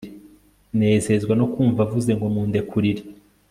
nezezwa no kumva avuze ngo mundekurire